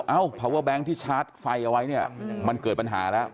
ภาวะแบงค์ที่ชาร์จไฟเอาไว้เนี่ยมันเกิดปัญหาแล้ว